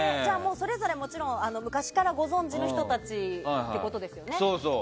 それぞれもちろん昔からご存じの人たちということですよね。